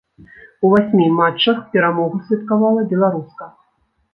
У васьмі матчах перамогу святкавала беларуска.